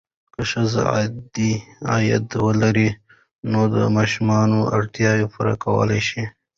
که ښځه عاید ولري، نو د ماشومانو اړتیاوې پوره کولی شي.